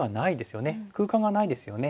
空間がないですよね。